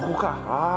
ああ！